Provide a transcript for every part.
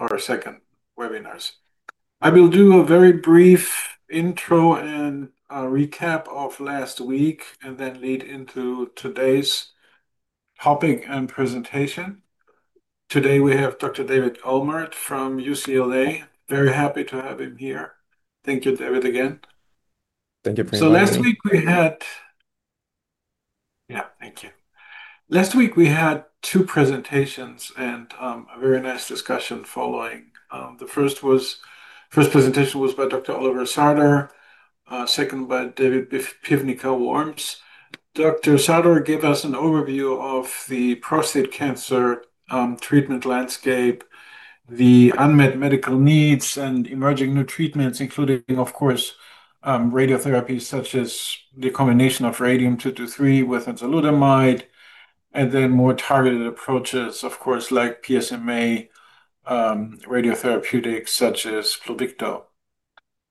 Our second webinar. I will do a very brief intro and recap of last week and then lead into today's topic and presentation. Today we have Dr. Hans David Olmert from UCLA. Very happy to have him here. Thank you, David, again. Thank you, Cristian. Thank you. Last week we had two presentations and a very nice discussion following. The first presentation was by Dr. Oliver Sartor, second by Dr. David Piwnica-Worms. Dr. Sartor gave us an overview of the prostate cancer treatment landscape, the unmet medical needs, and emerging new treatments, including, of course, radiotherapy such as the combination of radium-223 with enzalutamide, and then more targeted approaches, of course, like PSMA radiotherapeutics such as Pluvicto.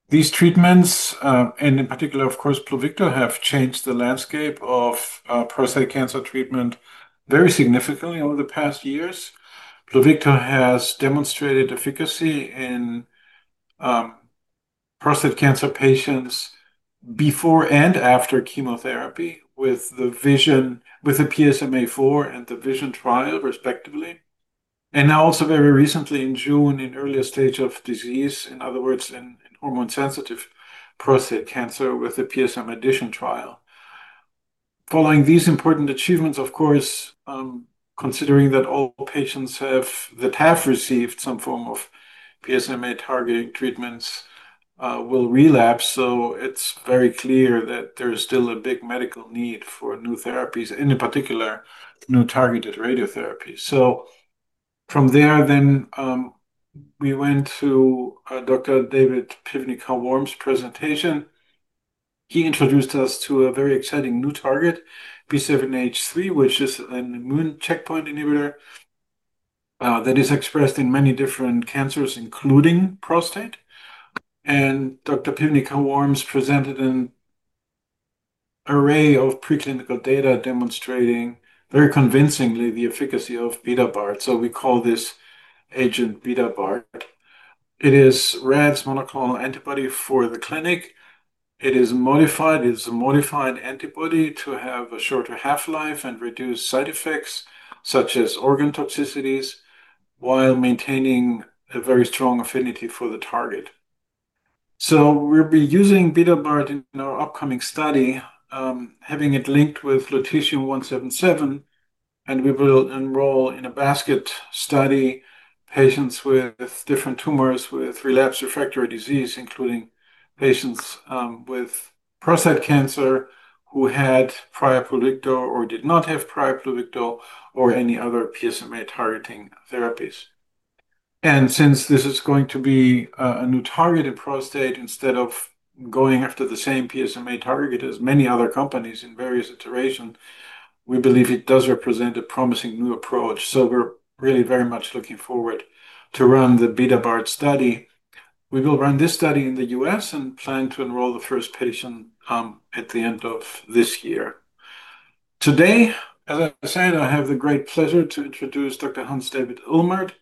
These treatments, and in particular, of course, Pluvicto, have changed the landscape of prostate cancer treatment very significantly over the past years. Pluvicto has demonstrated efficacy in prostate cancer patients before and after chemotherapy with the PSMA-4 and the VISION trial, respectively. Now, also very recently in June, in earlier stage of disease, in other words, in hormone-sensitive prostate cancer with the PSMA addition trial. Following these important achievements, of course, considering that all patients who have in the past received some form of PSMA targeting treatments will relapse, it is very clear that there is still a big medical need for new therapies, in particular, new targeted radiotherapy. From there, we went to Dr. David Piwnica-Worms' presentation. He introduced us to a very exciting new target, B7-H3, which is an immune checkpoint inhibitor that is expressed in many different cancers, including prostate. Dr. Piwnica-Worms presented an array of preclinical data demonstrating very convincingly the efficacy of Betabart. We call this agent Betabart. It is Radiopharm Theranostics' monoclonal antibody for the clinic. It is a modified antibody to have a shorter half-life and reduce side effects such as organ toxicities while maintaining a very strong affinity for the target. We will be using Betabart in our upcoming study, having it linked with Lutetium-177. We will enroll in a basket study patients with different tumors with relapsed refractory disease, including patients with prostate cancer who had prior Pluvicto or did not have prior Pluvicto or any other PSMA targeting therapies. Since this is going to be a new target in prostate instead of going after the same PSMA target as many other companies in various iterations, we believe it does represent a promising new approach. We are really very much looking forward to run the Betabart study. We will run this study in the U.S. and plan to enroll the first patient at the end of this year. Today, as I said, I have the great pleasure to introduce Dr. Hans David Olmert.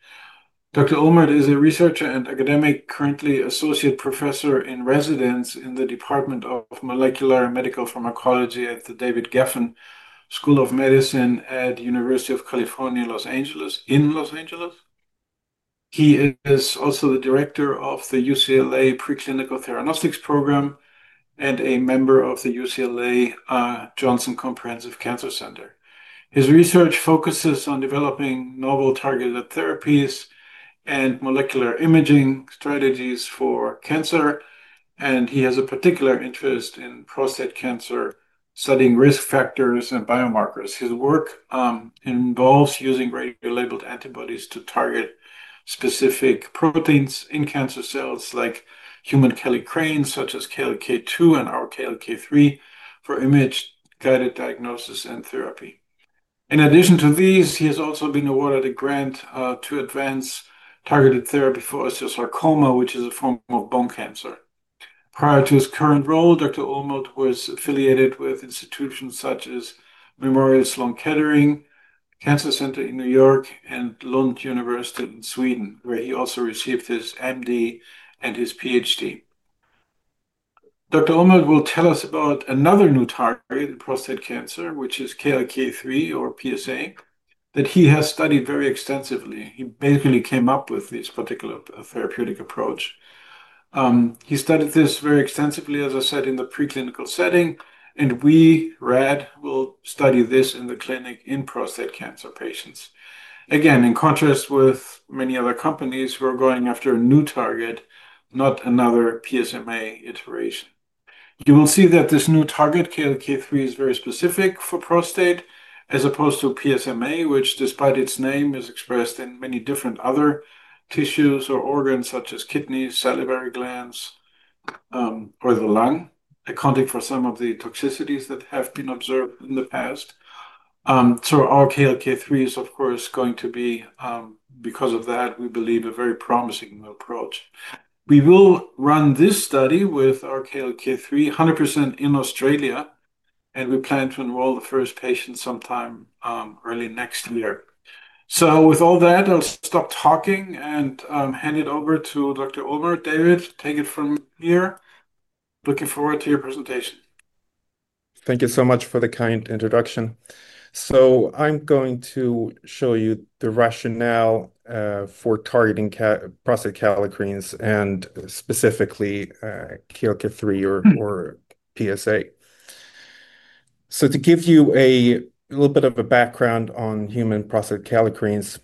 Dr. Olmert is a researcher and academic, currently Associate Professor in Residence in the Department of Molecular Medical Pharmacology at the David Geffen School of Medicine at the University of California, Los Angeles, in Los Angeles, California. He is also the Director of the UCLA Preclinical Theranostics Program and a member of the UCLA Johnson Comprehensive Cancer Center. His research focuses on developing novel targeted therapies and molecular imaging strategies for cancer. He has a particular interest in prostate cancer, studying risk factors and biomarkers. His work involves using radiolabeled antibodies to target specific proteins in cancer cells, like human kallikreins, such as KLK2 and our KLK3, for image-guided diagnosis and therapy. In addition to these, he has also been awarded a grant to advance targeted therapy for osteosarcoma, which is a form of bone cancer. Prior to his current role, Dr. Olmert was affiliated with institutions such as Memorial Sloan Kettering Cancer Center in New York and Lund University in Sweden, where he also received his M.D. and his Ph.D. Dr. Olmert will tell us about another new target in prostate cancer, which is KLK3 or PSA, that he has studied very extensively. He basically came up with this particular therapeutic approach. He studied this very extensively, as I said, in the preclinical setting. We, Radiopharm Theranostics, will study this in the clinic in prostate cancer patients. In contrast with many other companies who are going after a new target, not another PSMA iteration. You will see that this new target, KLK3, is very specific for prostate as opposed to PSMA, which, despite its name, is expressed in many different other tissues or organs such as kidneys, salivary glands, or the lung, accounting for some of the toxicities that have been observed in the past. Our KLK3 is, of course, going to be, because of that, we believe, a very promising approach. We will run this study with our KLK3, 100% in Australia. We plan to enroll the first patient sometime early next year. With all that, I'll stop talking and hand it over to Dr. Olmert. David, take it from here. Looking forward to your presentation. Thank you so much for the kind introduction. I'm going to show you the rationale for targeting prostate kallikreins and specifically KLK3 or PSA. To give you a little bit of a background on human prostate kallikreins,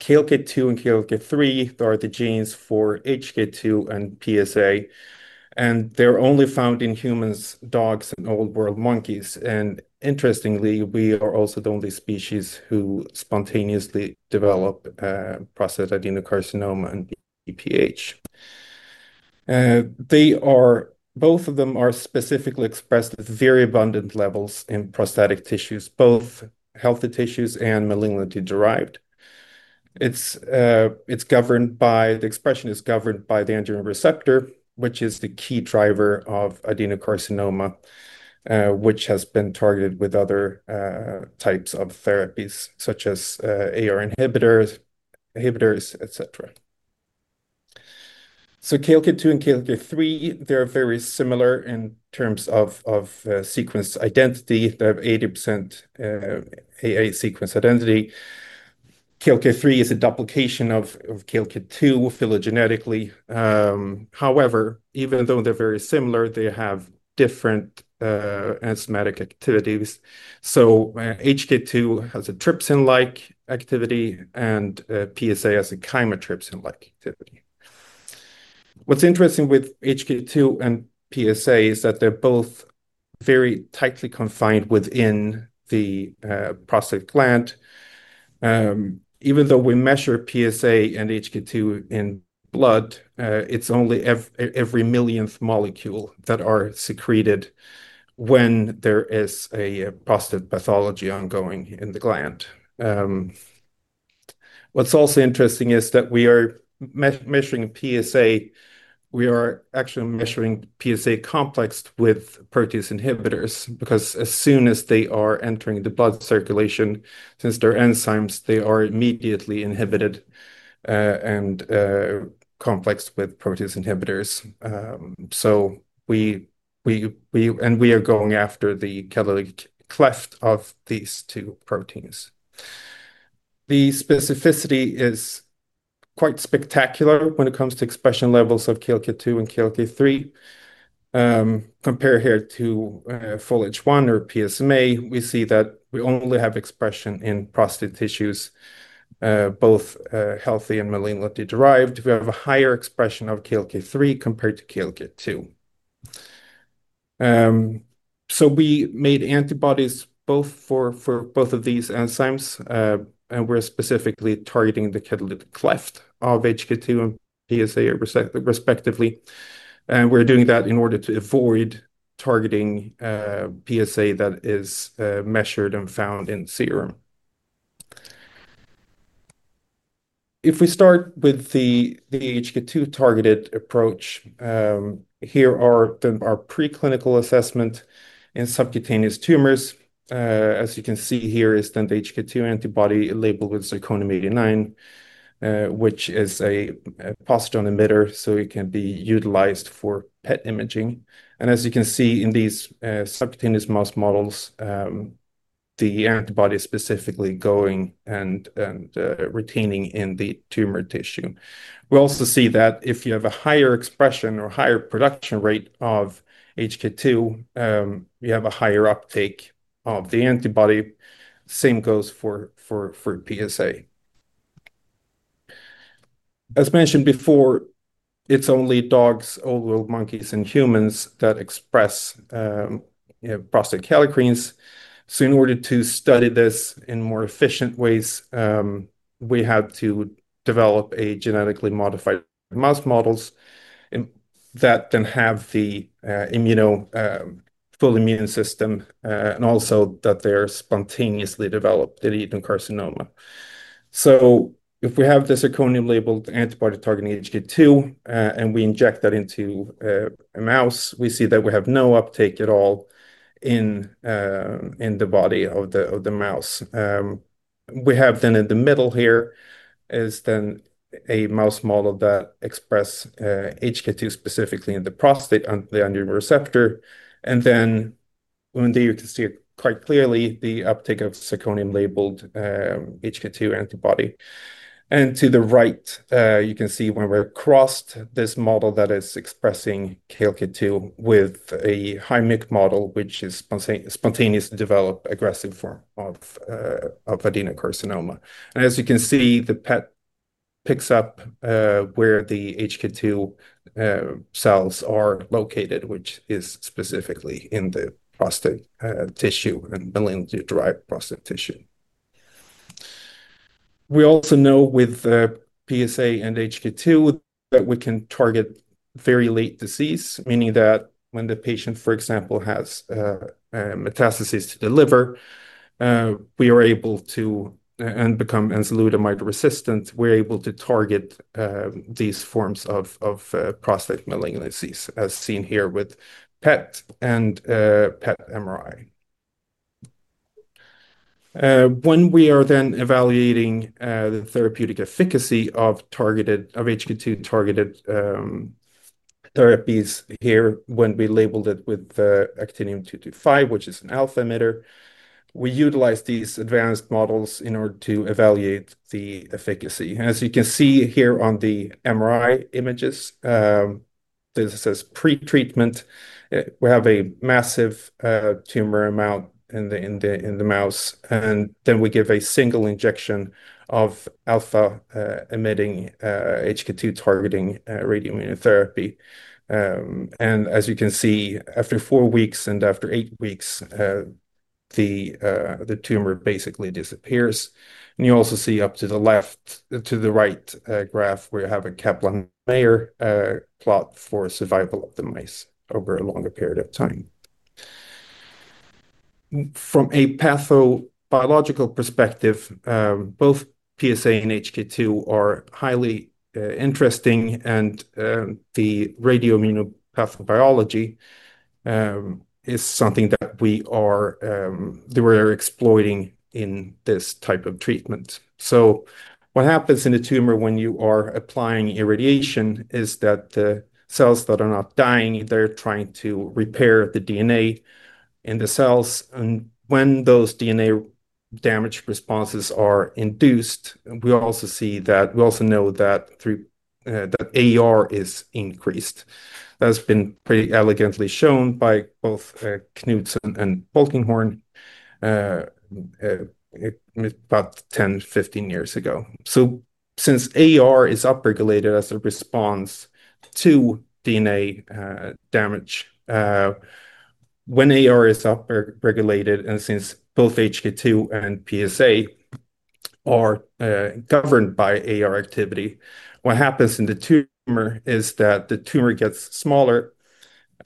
KLK2 and KLK3 are the genes for HK2 and PSA. They're only found in humans, dogs, and old-world monkeys. Interestingly, we are also the only species who spontaneously develop prostate adenocarcinoma and BPH. Both of them are specifically expressed at very abundant levels in prostatic tissues, both healthy tissues and malignantly derived. The expression is governed by the androgen receptor, which is the key driver of adenocarcinoma, which has been targeted with other types of therapies, such as AR inhibitors, etc. KLK2 and KLK3 are very similar in terms of sequence identity. They have 80% AA sequence identity. KLK3 is a duplication of KLK2 phylogenetically. However, even though they're very similar, they have different enzymatic activities. HK2 has a trypsin-like activity and PSA has a chymotrypsin-like activity. What's interesting with HK2 and PSA is that they're both very tightly confined within the prostate gland. Even though we measure PSA and HK2 in blood, it's only every millionth molecule that is secreted when there is a prostate pathology ongoing in the gland. What's also interesting is that when we are measuring PSA, we are actually measuring PSA complexed with protease inhibitors because as soon as they are entering the blood circulation, since they're enzymes, they are immediately inhibited and complexed with protease inhibitors. We are going after the catalytic cleft of these two proteins. The specificity is quite spectacular when it comes to expression levels of KLK2 and KLK3. Compared here to FOLF1 or PSMA, we see that we only have expression in prostate tissues, both healthy and malignantly derived. We have a higher expression of KLK3 compared to KLK2. We made antibodies for both of these enzymes. We're specifically targeting the catalytic cleft of HK2 and PSA, respectively. We're doing that in order to avoid targeting PSA that is measured and found in serum. If we start with the HK2-targeted approach, here are our preclinical assessment in subcutaneous tumors. As you can see here, the HK2 antibody is labeled with zirconium-89, which is a positron emitter, so it can be utilized for PET imaging. As you can see in these subcutaneous mouse models, the antibody is specifically going and retaining in the tumor tissue. We also see that if you have a higher expression or higher production rate of KLK2, you have a higher uptake of the antibody. Same goes for PSA. As mentioned before, it's only dogs, old-world monkeys, and humans that express prostate kallikreins. In order to study this in more efficient ways, we have to develop genetically modified mouse models that then have the full immune system and also that they're spontaneously developed adenocarcinoma. If we have the zirconium-labeled antibody targeting KLK2 and we inject that into a mouse, we see that we have no uptake at all in the body of the mouse. In the middle here is a mouse model that expresses KLK2 specifically in the prostate under the androgen receptor. We continue to see quite clearly the uptake of zirconium-labeled KLK2 antibody. To the right, you can see when we cross this model that is expressing KLK2 with a Hi-Myc model, which is spontaneously developed aggressive form of adenocarcinoma. As you can see, the PET picks up where the KLK2 cells are located, which is specifically in the prostate tissue and malignantly derived prostate tissue. We also know with PSA and KLK2 that we can target very late disease, meaning that when the patient, for example, has metastases to the liver, we are able to become enzalutamide resistant. We're able to target these forms of prostate malignancies, as seen here with PET and PET MRI. When we are evaluating the therapeutic efficacy of KLK2-targeted therapies here, when we labeled it with Actinium-225, which is an alpha emitter, we utilize these advanced models in order to evaluate the efficacy. As you can see here on the MRI images, this is as pre-treatment. We have a massive tumor amount in the mouse. We give a single injection of alpha-emitting KLK2-targeting radiation immunotherapy. As you can see, after four weeks and after eight weeks, the tumor basically disappears. You also see up to the left to the right graph where you have a Kaplan-Meier plot for survival of the mice over a longer period of time. From a pathobiological perspective, both PSA and KLK2 are highly interesting. The radiation immunopathobiology is something that we are exploiting in this type of treatment. What happens in a tumor when you are applying irradiation is that the cells that are not dying are trying to repair the DNA in the cells. When those DNA damage responses are induced, we also see that we also know that AR is increased. That's been pretty elegantly shown by both Knutson and Falkenhorn about 10 to 15 years ago. Since AR is upregulated as a response to DNA damage, when AR is upregulated and since both HK2 and PSA are governed by AR activity, what happens in the tumor is that the tumor gets smaller.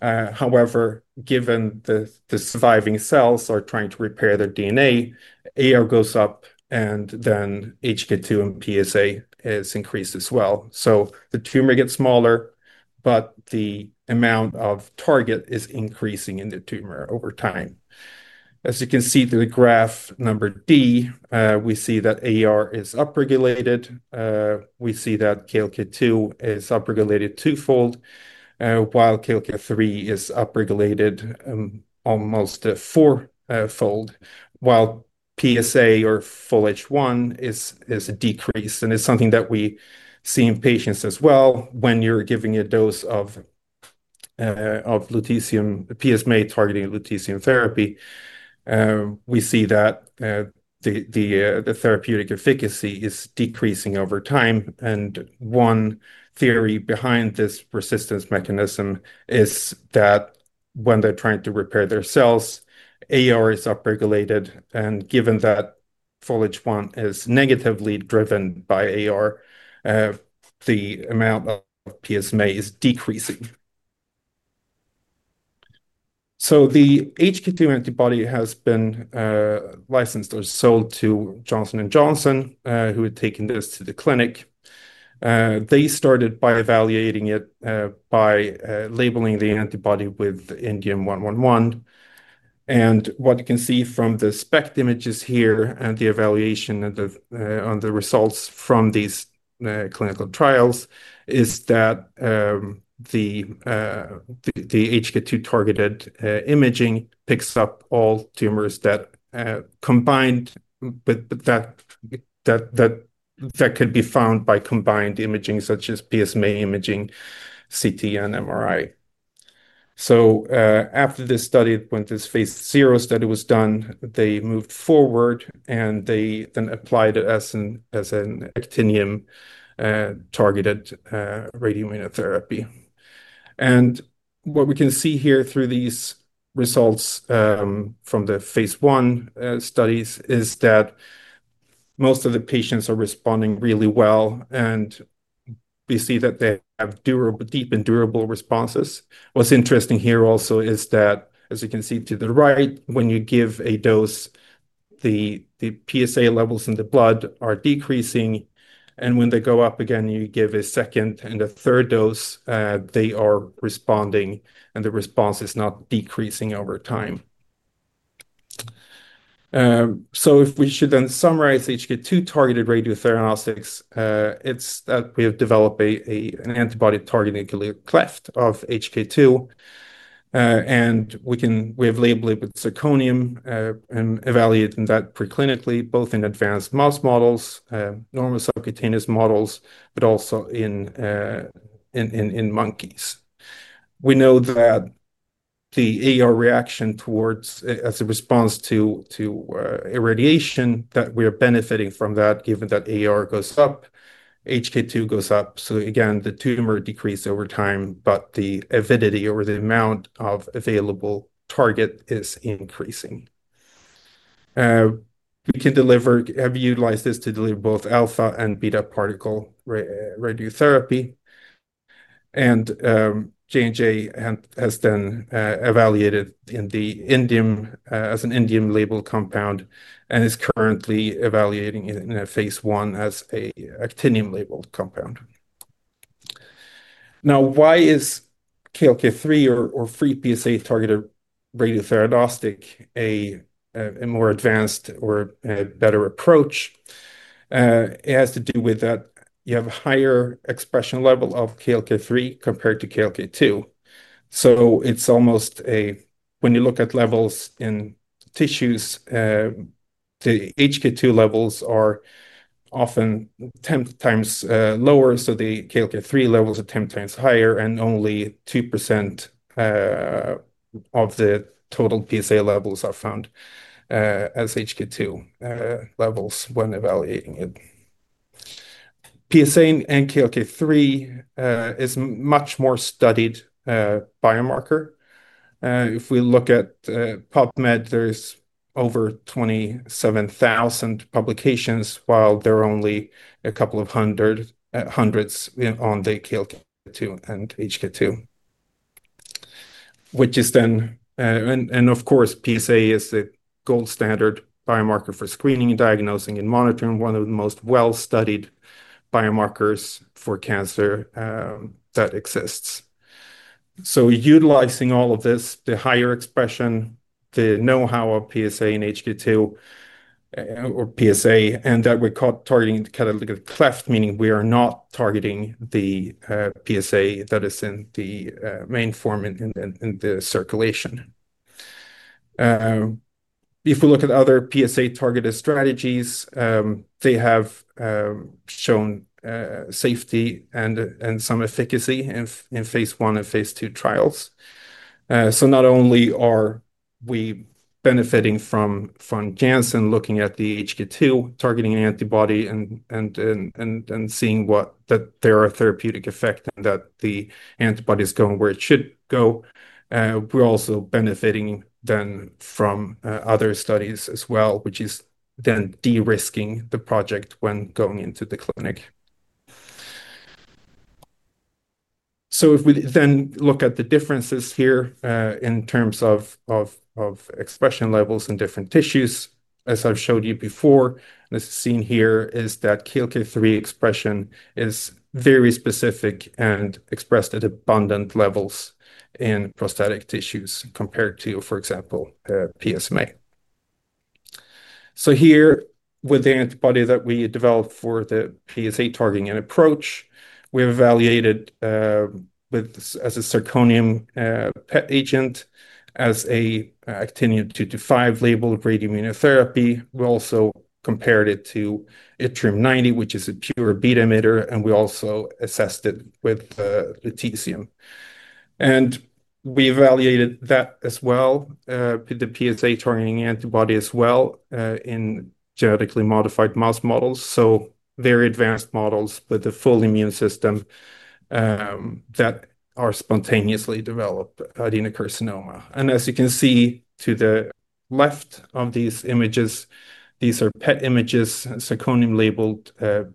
However, given the surviving cells are trying to repair their DNA, AR goes up and then HK2 and PSA increase as well. The tumor gets smaller, but the amount of target is increasing in the tumor over time. As you can see through the graph number D, we see that AR is upregulated. We see that KLK2 is upregulated twofold, while KLK3 is upregulated almost fourfold, while PSA or FOLH1 is decreased. It's something that we see in patients as well when you're giving a dose of PSMA targeting Lutetium therapy. We see that the therapeutic efficacy is decreasing over time. One theory behind this resistance mechanism is that when they're trying to repair their cells, AR is upregulated. Given that FOLH1 is negatively driven by AR, the amount of PSMA is decreasing. The HK2 antibody has been licensed or sold to Johnson & Johnson, who had taken this to the clinic. They started by evaluating it by labeling the antibody with indium 111. What you can see from the SPECT images here and the evaluation and the results from these clinical trials is that the HK2-targeted imaging picks up all tumors that could be found by combined imaging, such as PSMA imaging, CT, and MRI. After this study, when this phase zero study was done, they moved forward and they then applied it as an actinium-targeted radiation immunotherapy. What we can see here through these results from the phase one studies is that most of the patients are responding really well. We see that they have deep and durable responses. What's interesting here also is that, as you can see to the right, when you give a dose, the PSA levels in the blood are decreasing. When they go up again, you give a second and a third dose, they are responding. The response is not decreasing over time. If we should then summarize HK2-targeted radiotheranostics, it's that we have developed an antibody-targeted cleft of HK2. We have labeled it with zirconium and evaluated that preclinically, both in advanced mouse models, normal subcutaneous models, but also in monkeys. We know that the AR reaction towards as a response to irradiation, that we are benefiting from that, given that AR goes up, HK2 goes up. The tumor decreases over time, but the avidity or the amount of available target is increasing. We can deliver, have utilized this to deliver both alpha and beta particle radiotherapy. J&J has then evaluated as an indium-labeled compound and is currently evaluating in a phase one as an actinium-labeled compound. Now, why is KLK3 or free PSA-targeted radiotheranostics a more advanced or better approach? It has to do with that you have a higher expression level of KLK3 compared to KLK2. When you look at levels in tissues, the HK2 levels are often 10 times lower. The KLK3 levels are 10 times higher. Only 2% of the total PSA levels are found as HK2 levels when evaluating it. PSA and KLK3 is a much more studied biomarker. If we look at PubMed, there's over 27,000 publications, while there are only a couple of hundreds on the KLK2 and HK2, which is then, and of course, PSA is the gold standard biomarker for screening, diagnosing, and monitoring, one of the most well-studied biomarkers for cancer that exists. Utilizing all of this, the higher expression, the know-how of PSA and HK2 or PSA, and that we're targeting the catalytic cleft, meaning we are not targeting the PSA that is in the main form in the circulation. If we look at other PSA-targeted strategies, they have shown safety and some efficacy in phase one and phase two trials. Not only are we benefiting from Janssen looking at the HK2 targeting antibody and seeing that there are therapeutic effects and that the antibody is going where it should go, we're also benefiting then from other studies as well, which is then de-risking the project when going into the clinic. If we then look at the differences here in terms of expression levels in different tissues, as I've showed you before, the scene here is that KLK3 expression is very specific and expressed at abundant levels in prostatic tissues compared to, for example, PSMA. With the antibody that we developed for the PSA targeting approach, we've evaluated with as a zirconium PET agent, as an actinium-225 labeled radiation immunotherapy. We also compared it to yttrium-90, which is a pure beta emitter. We also assessed it with Lutetium. We evaluated that as well, the PSA targeting antibody as well in genetically modified mouse models, very advanced models with the full immune system that spontaneously develop adenocarcinoma. As you can see to the left of these images, these are PET images, zirconium-labeled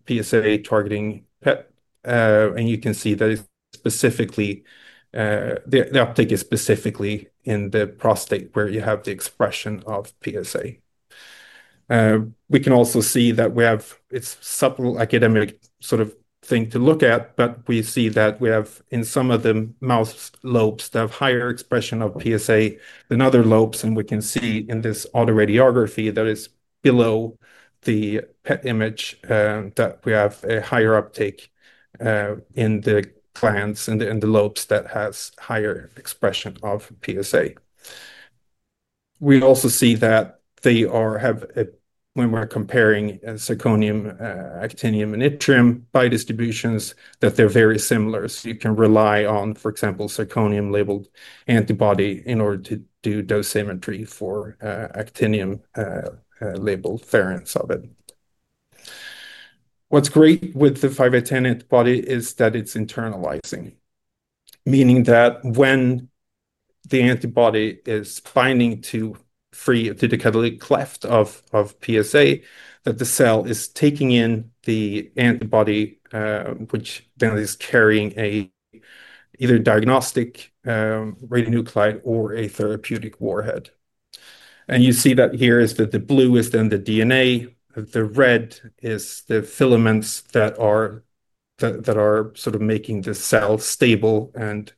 PSA targeting PET. You can see that specifically the uptake is specifically in the prostate where you have the expression of PSA. We can also see that we have, it's a subtle academic sort of thing to look at, but we see that we have in some of the mouse lobes higher expression of PSA than other lobes. We can see in this autoradiography that is below the PET image that we have a higher uptake in the glands and the lobes that have higher expression of PSA. We also see that when we're comparing zirconium, actinium, and yttrium biodistributions, they're very similar. You can rely on, for example, zirconium-labeled antibody in order to do dosimetry for actinium-labeled variants of it. What's great with the 5A10 antibody is that it's internalizing, meaning that when the antibody is binding to the catalytic cleft of PSA, the cell is taking in the antibody, which then is carrying either a diagnostic radionuclide or a therapeutic warhead. You see that here is that the blue is then the DNA. The red is the filaments that are making the cell stable and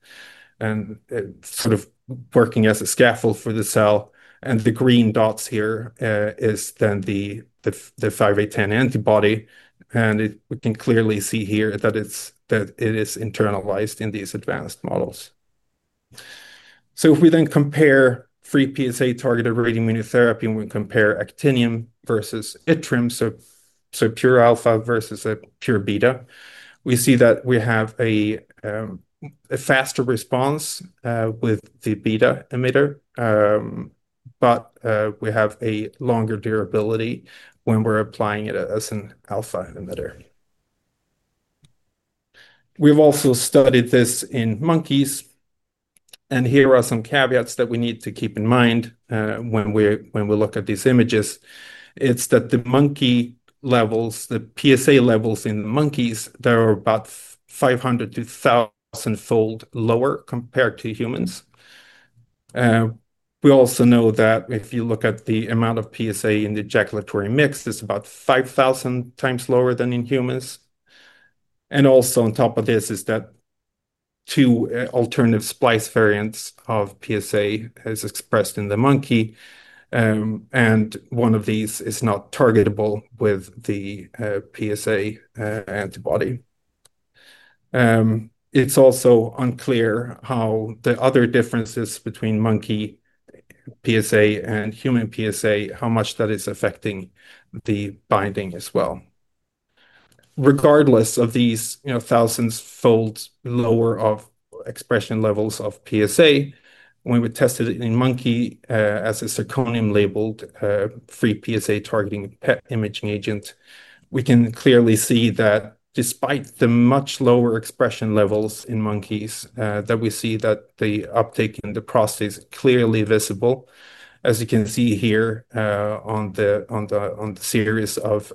working as a scaffold for the cell. The green dots here are then the 5A10 antibody. We can clearly see here that it is internalized in these advanced models. If we then compare free PSA-targeted radiation immunotherapy and we compare actinium versus yttrium, so pure alpha versus a pure beta, we see that we have a faster response with the beta emitter, but we have a longer durability when we're applying it as an alpha emitter. We've also studied this in monkeys. Here are some caveats that we need to keep in mind when we look at these images. The PSA levels in the monkeys are about 500 to 1,000 fold lower compared to humans. We also know that if you look at the amount of PSA in the ejaculatory mix, it's about 5,000 times lower than in humans. On top of this, two alternative splice variants of PSA are expressed in the monkey, and one of these is not targetable with the PSA antibody. It's also unclear how the other differences between monkey PSA and human PSA, how much that is affecting the binding as well. Regardless of these thousands fold lower expression levels of PSA, when we tested it in monkey as a zirconium-labeled free PSA targeting imaging agent, we can clearly see that despite the much lower expression levels in monkeys, we see that the uptake in the prostate is clearly visible. As you can see here on the series of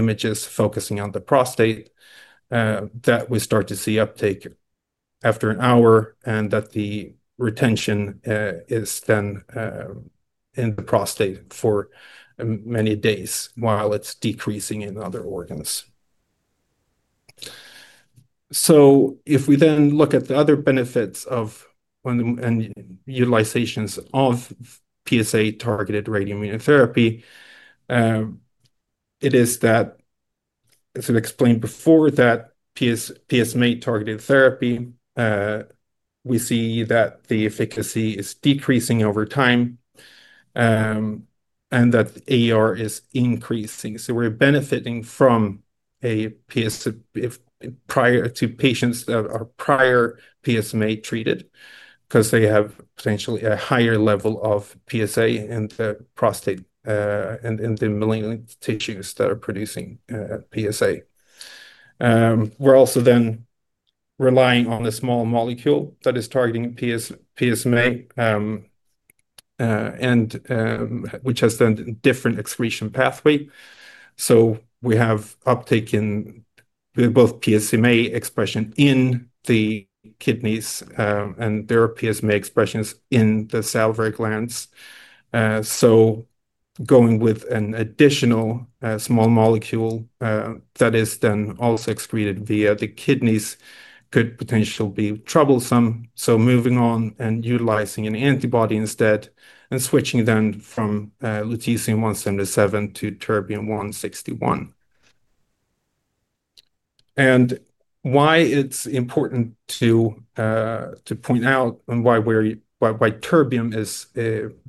images focusing on the prostate, we start to see uptake after an hour and the retention is then in the prostate for many days while it's decreasing in other organs. If we then look at the other benefits of and utilizations of PSA-targeted radiation immunotherapy, it is that, as we've explained before, PSMA-targeted therapy, we see that the efficacy is decreasing over time and that AR is increasing. We're benefiting from a PSA prior to patients that are prior PSMA treated because they have potentially a higher level of PSA in the prostate and in the malignant tissues that are producing PSA. We're also then relying on a small molecule that is targeting PSMA, which has a different excretion pathway. We have uptake in both PSMA expression in the kidneys, and there are PSMA expressions in the salivary glands. Going with an additional small molecule that is then also excreted via the kidneys could potentially be troublesome. Moving on and utilizing an antibody instead and switching then from Lutetium-177 to Terbium-161. Why it's important to point out and why Terbium is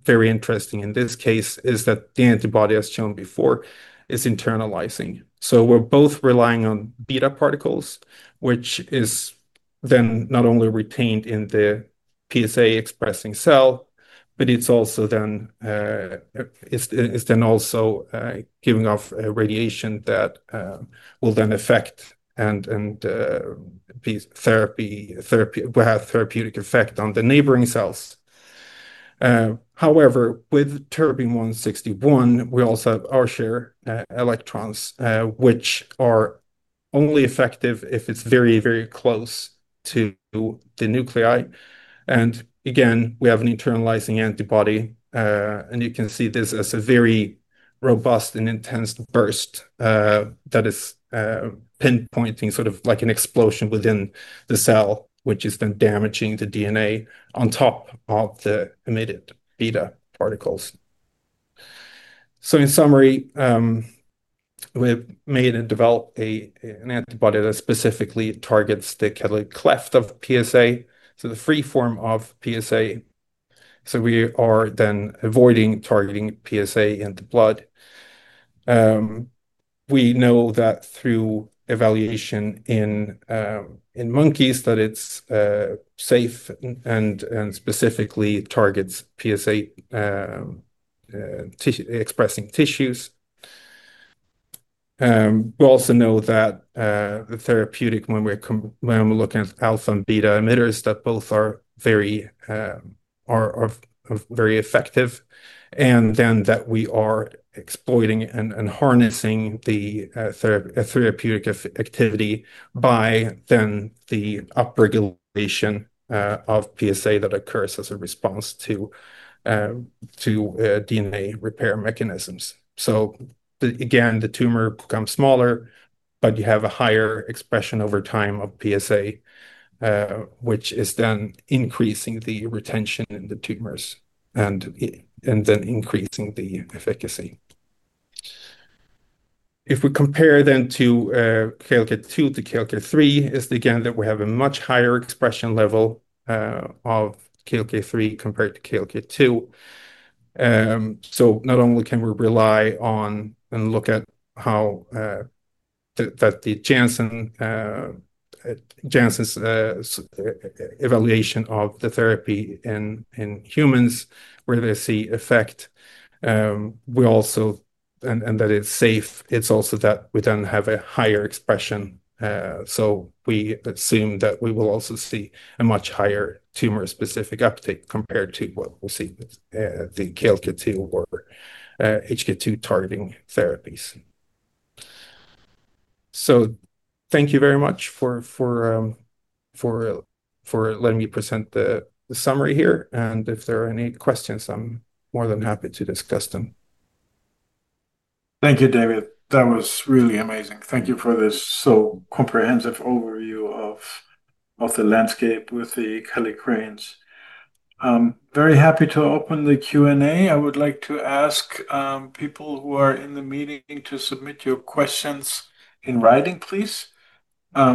very interesting in this case is that the antibody, as shown before, is internalizing. We're both relying on beta particles, which is then not only retained in the PSA-expressing cell, but it's also giving off radiation that will then affect and have therapeutic effect on the neighboring cells. However, with Terbium-161, we also have R-share electrons, which are only effective if it's very, very close to the nuclei. Again, we have an internalizing antibody. You can see this as a very robust and intense burst that is pinpointing sort of like an explosion within the cell, which is then damaging the DNA on top of the emitted beta particles. In summary, we made and developed an antibody that specifically targets the catalytic cleft of PSA, so the free form of PSA. We are then avoiding targeting PSA in the blood. We know that through evaluation in monkeys that it's safe and specifically targets PSA-expressing tissues. We also know that the therapeutic, when we're looking at alpha and beta emitters, that both are very effective. We are exploiting and harnessing the therapeutic activity by the upregulation of PSA that occurs as a response to DNA repair mechanisms. The tumor becomes smaller, but you have a higher expression over time of PSA, which is then increasing the retention in the tumors and increasing the efficacy. If we compare to KLK2 to KLK3, it's again that we have a much higher expression level of KLK3 compared to KLK2. Not only can we rely on and look at how the Janssen's evaluation of the therapy in humans where they see effect, and that it's safe, it's also that we then have a higher expression. We assume that we will also see a much higher tumor-specific uptake compared to what we'll see with the KLK2 or HK2 targeting therapies. Thank you very much for letting me present the summary here. If there are any questions, I'm more than happy to discuss them. Thank you, David. That was really amazing. Thank you for this so comprehensive overview of the landscape with the kallikreins. Very happy to open the Q&A. I would like to ask people who are in the meeting to submit your questions in writing, please,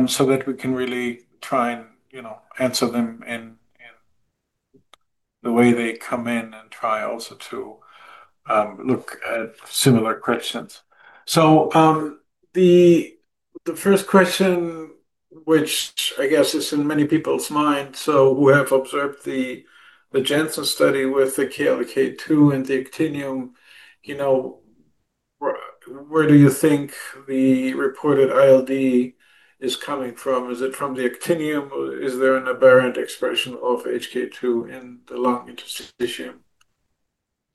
so that we can really try and answer them in the way they come in and try also to look at similar questions. The first question, which I guess is in many people's minds, for those who have observed the Janssen study with the KLK2 and the actinium, where do you think the reported ILD is coming from? Is it from the actinium? Is there an aberrant expression of KLK2 in the lung interstitium?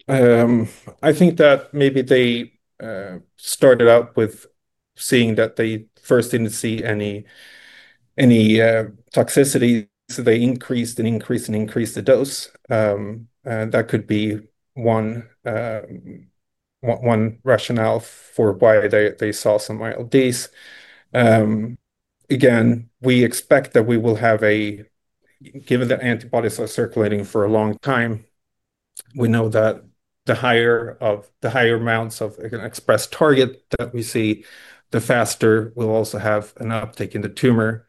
I think that maybe they started out with seeing that they first didn't see any toxicity. They increased and increased and increased the dose. That could be one rationale for why they saw some ILDs. Again, we expect that we will have a, given that antibodies are circulating for a long time, we know that the higher amounts of expressed target that we see, the faster we'll also have an uptake in the tumor.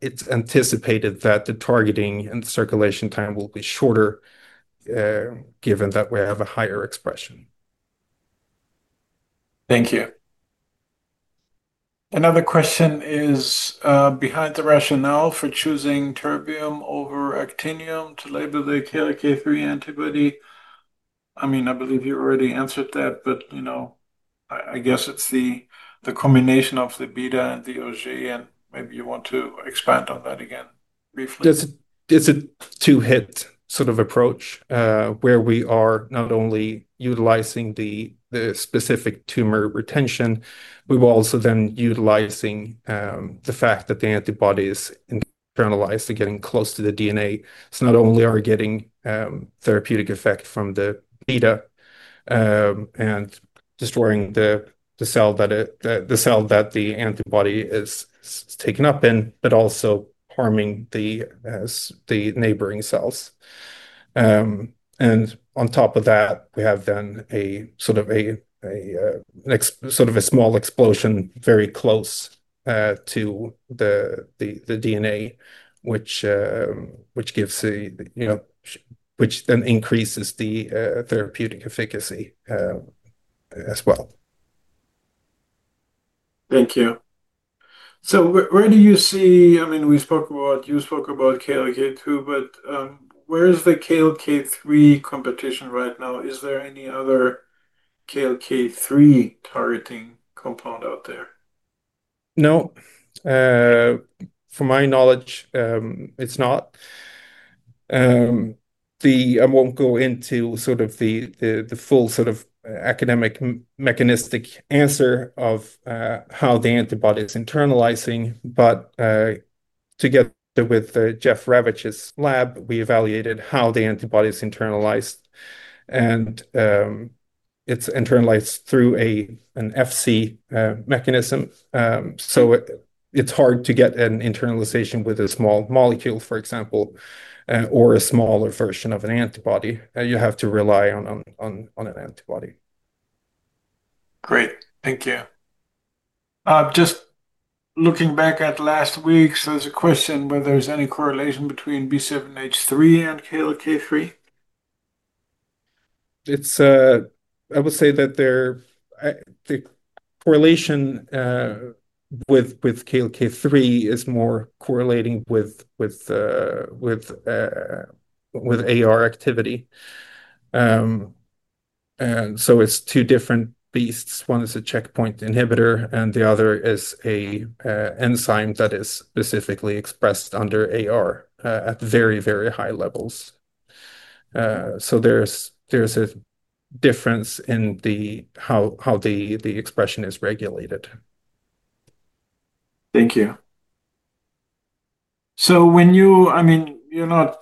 It's anticipated that the targeting and circulation time will be shorter, given that we have a higher expression. Thank you. Another question is behind the rationale for choosing Terbium over Actinium to label the KLK3 antibody. I mean, I believe you already answered that, but I guess it's the combination of the beta and the OG. Maybe you want to expand on that again briefly. It's a two-hit sort of approach where we are not only utilizing the specific tumor retention, we're also then utilizing the fact that the antibodies internalize to getting close to the DNA. Not only are we getting therapeutic effect from the beta and destroying the cell that the antibody is taken up in, but also harming the neighboring cells. On top of that, we have then a sort of a small explosion very close to the DNA, which then increases the therapeutic efficacy as well. Thank you. Where do you see, I mean, you spoke about KLK2, but where is the KLK3 competition right now? Is there any other KLK3 targeting compound out there? No. From my knowledge, it's not. I won't go into the full academic mechanistic answer of how the antibody is internalizing. Together with Jeff Ravitch's lab, we evaluated how the antibody is internalized, and it's internalized through an FC mechanism. It's hard to get an internalization with a small molecule, for example, or a smaller version of an antibody. You have to rely on an antibody. Great. Thank you. Just looking back at last week, there's a question whether there's any correlation between B7-H3 and KLK3. I will say that the correlation with KLK3 is more correlating with AR activity. It's two different beasts. One is a checkpoint inhibitor, and the other is an enzyme that is specifically expressed under AR at very, very high levels. There's a difference in how the expression is regulated. Thank you. When you, I mean, you're not,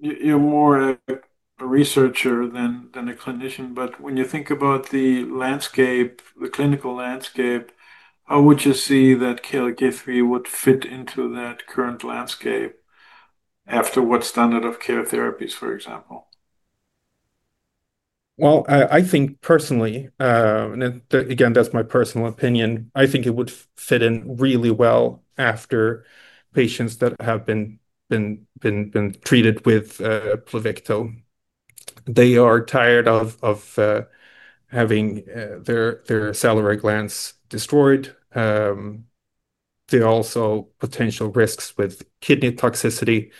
you're more a researcher than a clinician, but when you think about the landscape, the clinical landscape, how would you see that KLK3 would fit into that current landscape after what standard of care therapies, for example? I think personally, and again, that's my personal opinion, I think it would fit in really well after patients that have been treated with Pluvicto. They are tired of having their salivary glands destroyed. They also have potential risks with kidney toxicity.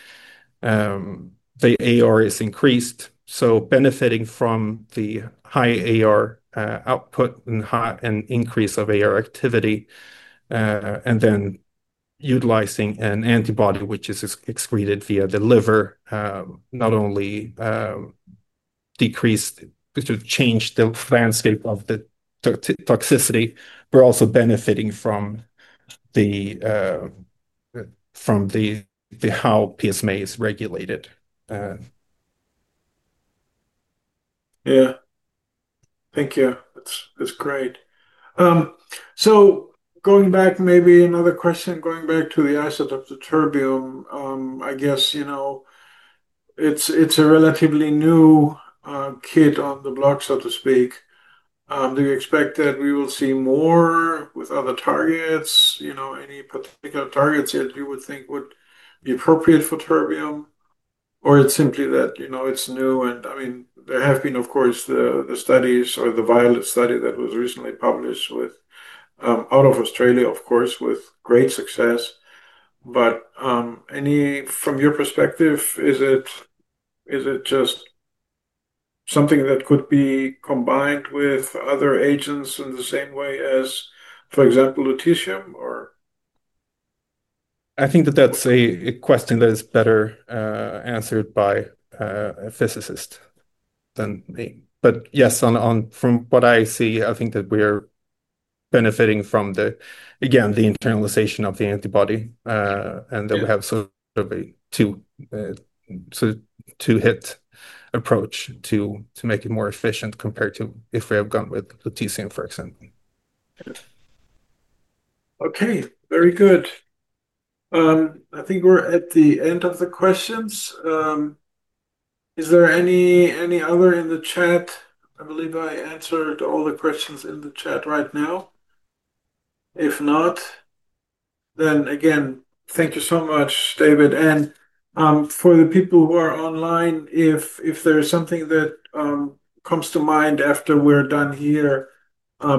The AR is increased. Benefiting from the high AR output and increase of AR activity, and then utilizing an antibody which is excreted via the liver, not only decreases to change the landscape of the toxicity, but also benefits from how PSMA is regulated. Yeah. Thank you. That's great. Going back, maybe another question, going back to the asset of the Terbium, I guess, you know, it's a relatively new kid on the block, so to speak. Do you expect that we will see more with other targets? You know, any particular targets that you would think would be appropriate for Terbium? Or it's simply that, you know, it's new. I mean, there have been, of course, the studies or the VIOLET study that was recently published out of Australia, of course, with great success. From your perspective, is it just something that could be combined with other agents in the same way as, for example, Lutetium or? I think that's a question that is better answered by a physicist than me. Yes, from what I see, I think that we are benefiting from the internalization of the antibody and that we have sort of a two-hit approach to make it more efficient compared to if we had gone with Lutetium, for example. Okay. Very good. I think we're at the end of the questions. Is there any other in the chat? I believe I answered all the questions in the chat right now. If not, then again, thank you so much, David. For the people who are online, if there's something that comes to mind after we're done here,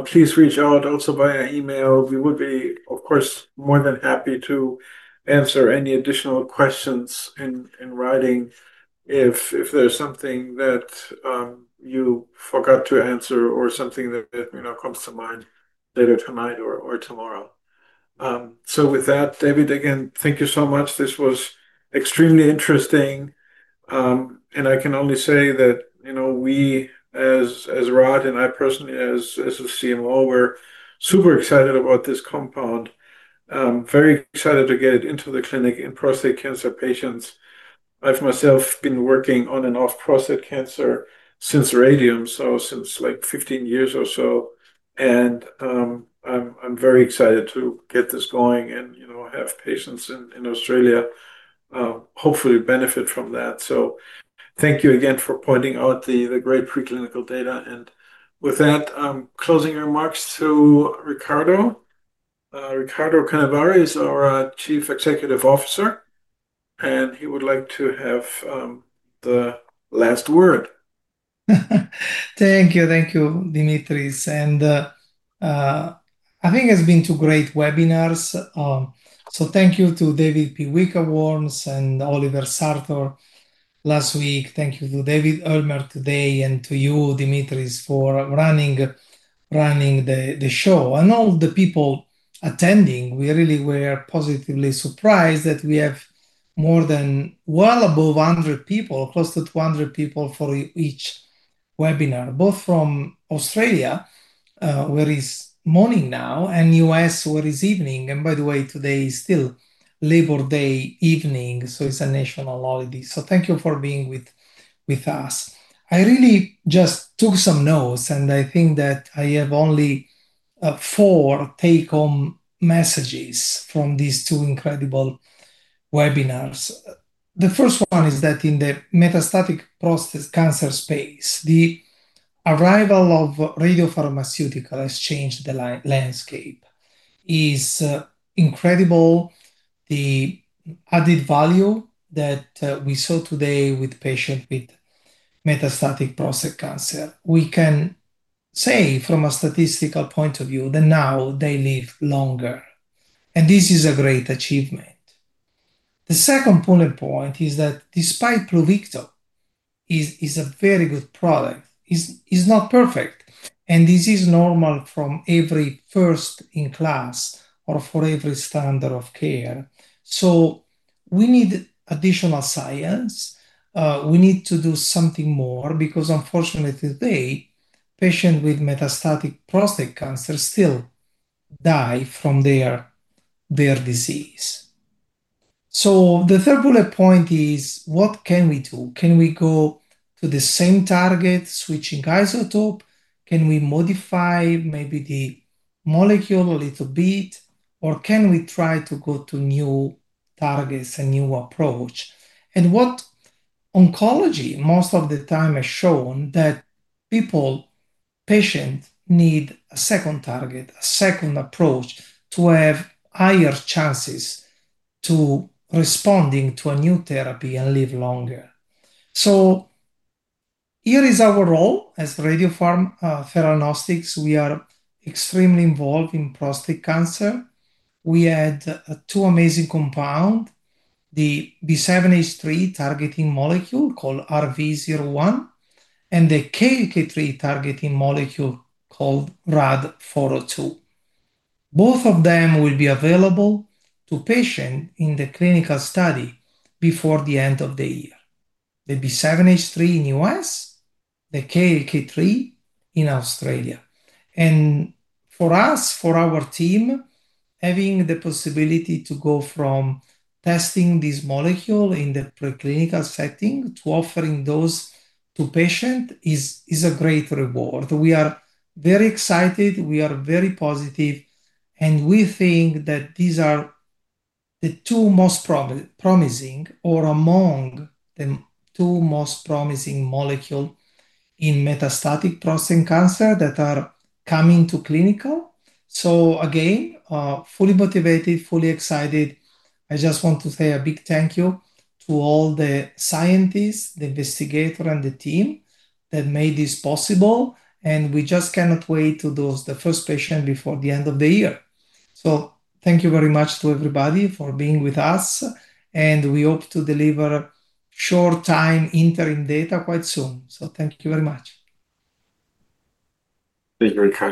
please reach out also via email. We would be, of course, more than happy to answer any additional questions in writing if there's something that you forgot to answer or something that comes to mind later tonight or tomorrow. With that, David, again, thank you so much. This was extremely interesting. I can only say that, you know, we, as Radiopharm Theranostics and I personally, as the Chief Medical Officer, we're super excited about this compound. Very excited to get it into the clinic in prostate cancer patients. I've myself been working on and off prostate cancer since radium, so since like 15 years or so. I'm very excited to get this going and have patients in Australia hopefully benefit from that. Thank you again for pointing out the great preclinical data. With that, I'm closing remarks to Riccardo Canevari. Riccardo Canevari is our Chief Executive Officer. He would like to have the last word. Thank you. Thank you, Dimitris. I think it's been two great webinars. Thank you to David Piwnica-Worms and Oliver Sartor last week. Thank you to Hans David Olmert today and to you, Dimitris, for running the show and all the people attending. We really were positively surprised that we have more than, well, above 100 people, close to 200 people for each webinar, both from Australia, where it's morning now, and the U.S., where it's evening. By the way, today is still Labor Day evening. It's a national holiday. Thank you for being with us. I really just took some notes. I think that I have only four take-home messages from these two incredible webinars. The first one is that in the metastatic prostate cancer space, the arrival of radiopharmaceuticals has changed the landscape. It is incredible the added value that we saw today with patients with metastatic prostate cancer. We can say from a statistical point of view that now they live longer. This is a great achievement. The second bullet point is that despite Pluvicto is a very good product, it's not perfect. This is normal from every first-in-class or for every standard of care. We need additional science. We need to do something more because unfortunately today, patients with metastatic prostate cancer still die from their disease. The third bullet point is what can we do? Can we go to the same target, switching isotope? Can we modify maybe the molecule a little bit? Can we try to go to new targets and new approach? What oncology, most of the time, has shown is that people, patients need a second target, a second approach to have higher chances to respond to a new therapy and live longer. Here is our role as radiopharmaceuticals. We are extremely involved in prostate cancer. We had two amazing compounds, the B7-H3 targeting molecule called RV-01, and the KLK3 targeting molecule called RAD402. Both of them will be available to patients in the clinical study before the end of the year. The B7-H3 in the U.S., the KLK3 in Australia. For us, for our team, having the possibility to go from testing this molecule in the preclinical setting to offering those to patients is a great reward. We are very excited. We are very positive. We think that these are the two most promising or among the two most promising molecules in metastatic prostate cancer that are coming to clinical. Again, fully motivated, fully excited. I just want to say a big thank you to all the scientists, the investigators, and the team that made this possible. We just cannot wait to do the first patient before the end of the year. Thank you very much to everybody for being with us. We hope to deliver short-time interim data quite soon. Thank you very much. Thank you, Dr.